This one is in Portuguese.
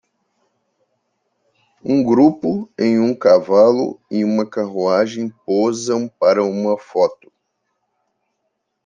Um grupo em um cavalo e uma carruagem posam para uma foto.